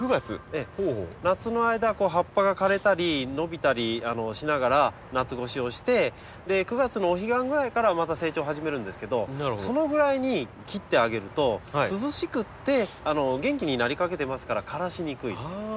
ええ。夏の間は葉っぱが枯れたり伸びたりしながら夏越しをして９月のお彼岸ぐらいからまた成長を始めるんですけどそのぐらいに切ってあげると涼しくて元気になりかけてますから枯らしにくい。